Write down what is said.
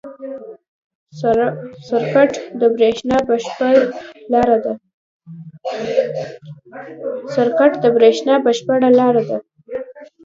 سرکټ د برېښنا بشپړ لاره ده.